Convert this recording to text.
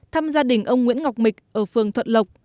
thăm gia đình ông nguyễn ngọc mịch ở phường thuận lộc